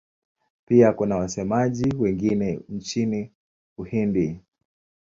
Pia kuna wasemaji wengine nchini Uhindi.